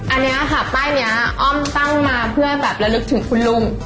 อันนี้ค่ะป้ายนี้อ้อมตั้งมาเพื่อแบบระลึกถึงคุณลุง